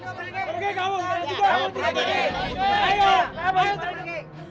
kabur kabur kabur kabur kabur kabur kabur kabur kabur di remaus arabic